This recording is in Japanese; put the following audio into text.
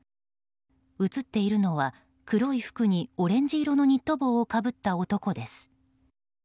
映っているのは黒い服にオレンジ色のニット帽をかぶった男です。